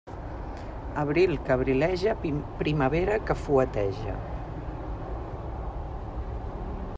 Abril que abrileja, primavera que fueteja.